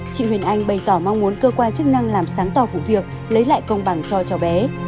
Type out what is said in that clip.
chị huyền anh bày tỏ mong muốn cơ quan chức năng làm sáng tỏ vụ việc lấy lại công bằng cho cháu bé